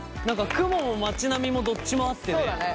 雲も町並みもどっちもあってね